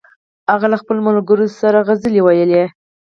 هغه له خپلو ملګرو سره سندرې ویلې